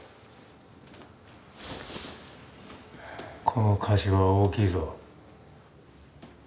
この貸しは大きいぞ。